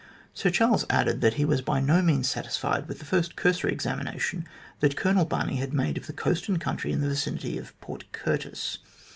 Sir Charles added that he was by no means satisfied with the first cursory examination that Colonel Barney had made of the coast and country in the vicinity of Port Curtis.